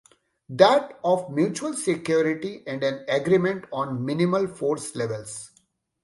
That of mutual security and an agreement on minimal force levels.